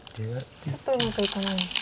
ちょっとうまくいかないんですか。